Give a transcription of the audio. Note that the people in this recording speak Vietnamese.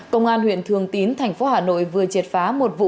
công an huyện thường tín thành phố hà nội vừa triệt phá